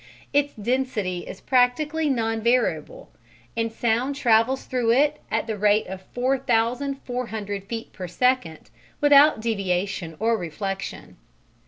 Its density is practically non variable, and sound travels through it at the rate of 4400 feet per second, without deviation or reflection.